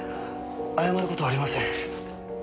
謝る事はありません。